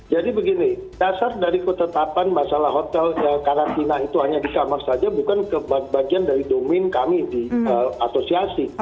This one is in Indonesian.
jadi begini dasar dari ketetapan masalah hotel karantina itu hanya di kamar saja bukan kebagian dari domain kami di atosiasi